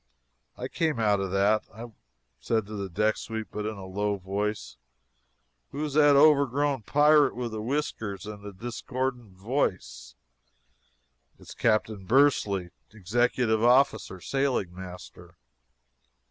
I came out of that. I said to a deck sweep but in a low voice: "Who is that overgrown pirate with the whiskers and the discordant voice?" "It's Captain Bursley executive officer sailing master."